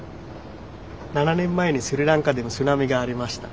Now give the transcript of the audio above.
７年前にスリランカでも津波がありました。